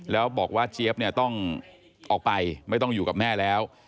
แล้วบอกว่าเจี๊ยบเนี่ยต้องออกไปไม่ต้องอยู่กับแม่แล้ว